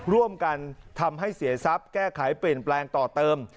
ร่วมกันทำให้เสียทรัพย์แก้ไขเปลี่ยนแปลงต่อเติม